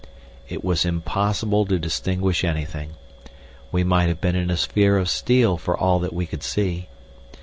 It was impossible to distinguish anything. We might have been in a sphere of steel for all that we could see.